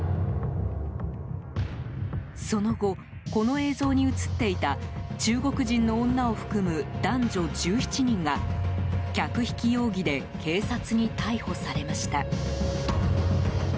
その後、この映像に映っていた中国人の女を含む男女１７人が客引き容疑で警察に逮捕されました。